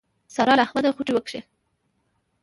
سارا له احمده خوټې وکښې.